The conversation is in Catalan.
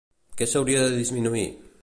Què s'hauria de disminuir?